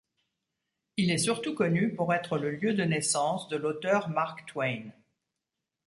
Il est surtout connu pour être le lieu de naissance de l'auteur Mark Twain.